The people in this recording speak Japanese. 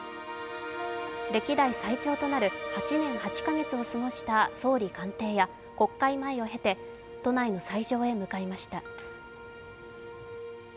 歴代最長となる８年８カ月を過ごした総理官邸や国会前を経て都内の斎場へ向かいました。